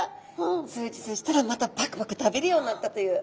数日したらまたパクパク食べるようになったという。